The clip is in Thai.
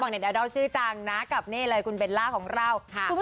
บางในดาดอลชื่อต่างนะกับนี่เลยคุณเบลล่าของเรา